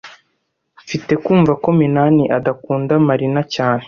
Mfite kumva ko Minani adakunda Marina cyane.